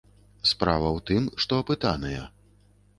Справа ў тым, што апытаныя.